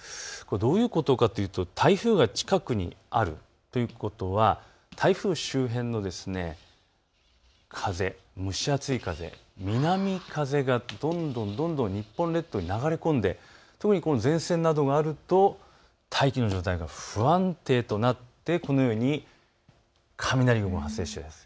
どういうことかというと台風が近くにあるということは台風周辺の蒸し暑い風、南風がどんどん日本列島に流れ込んで特に前線などがあると大気の状態が不安定となってこのように雷雲が発生しやすいです。